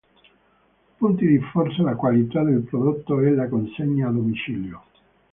Punti di forza la qualità del prodotto e la consegna a domicilio.